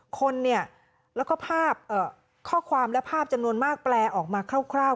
คนเนี่ยแล้วก็ภาพข้อความและภาพจำนวนมากแปลออกมาคร่าว